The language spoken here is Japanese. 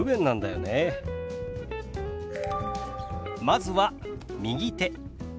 まずは「右手」。